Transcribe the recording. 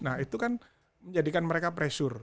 nah itu kan menjadikan mereka pressure